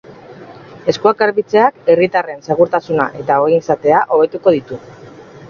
Eskuak garbitzeak herritarren segurtasuna eta ongizatea hobetuko ditu.